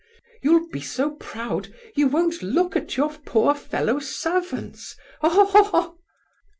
you'll be so proud you won't look at your poor fellow servants, oh, oh, oh!